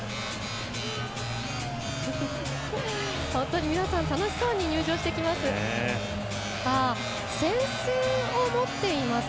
本当に皆さん楽しそうに入場してきます。